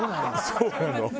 そうなの。